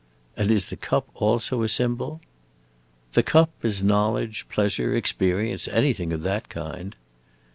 "And is the cup also a symbol?" "The cup is knowledge, pleasure, experience. Anything of that kind!"